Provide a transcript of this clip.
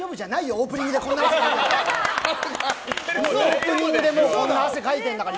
オープニングでこんなに汗かいてんだから。